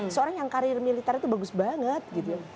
seorang yang karir militer itu bagus banget gitu ya